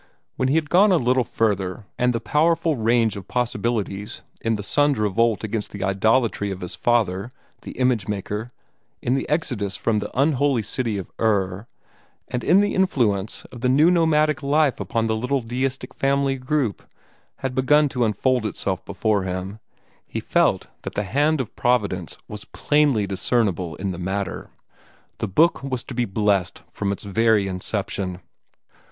When he had gone a little further, and the powerful range of possibilities in the son's revolt against the idolatry of his father, the image maker, in the exodus from the unholy city of Ur, and in the influence of the new nomadic life upon the little deistic family group, had begun to unfold itself before him, he felt that the hand of Providence was plainly discernible in the matter. The book was to be blessed from its very inception.